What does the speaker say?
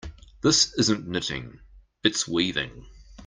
This isn't knitting, its weaving.